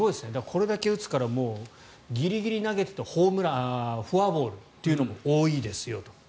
これだけ打つからギリギリ投げてフォアボールというのも多いですよと。